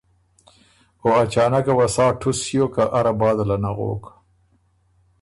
او اچانکه وه سا ټُس ݭیوک که اره باده له نغوک۔